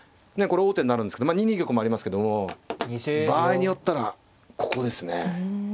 これ王手になるんですけどまあ２二玉もありますけども場合によったらここですね。